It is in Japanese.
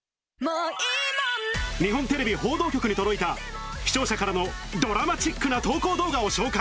日本テレビ報道局に届いた視聴者からのドラマチックな投稿動画を紹介。